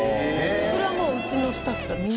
それはもううちのスタッフがみんな。